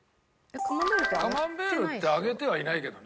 カマンベールって揚げてはいないけどね。